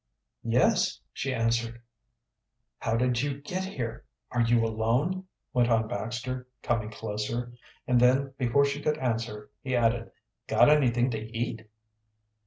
"Yes," she answered. "How did you get here? Are you alone?" went on Baxter, coming closer. And then before she could answer, he added: "Got anything to eat?"